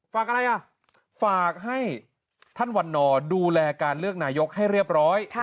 ฝากอะไรอ่ะฝากให้ท่านวันนอร์ดูแลการเลือกนายกให้เรียบร้อย